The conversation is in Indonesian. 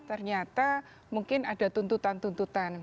ternyata mungkin ada tuntutan tuntutan